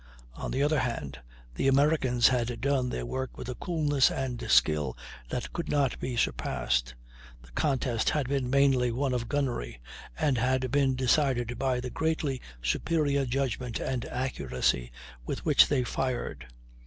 On the other hand, the Americans had done their work with a coolness and skill that could not be surpassed; the contest had been mainly one of gunnery, and had been decided by the greatly superior judgment and accuracy with which they fired.